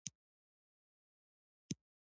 ډېر زیات یې تر پایه پورې هلته پاته شوي وي.